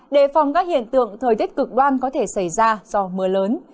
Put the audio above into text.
đề phòng các hiện tượng thời tiết cực đoan có thể xảy ra do mưa lớn